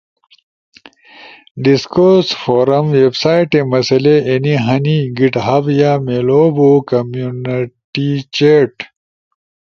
ڈسکورس فورزم ویس سائٹے مسلئی اینی ہنے گٹ ہب یا میلو بو کمینونیٹی چیٹ۔